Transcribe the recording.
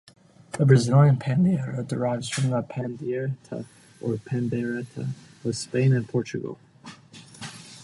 The Brazilian Pandeiro derives from the pandeireta or pandereta of Spain and Portugal.